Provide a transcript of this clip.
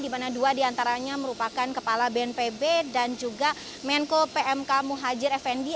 di mana dua diantaranya merupakan kepala bnpb dan juga menko pmk muhajir effendi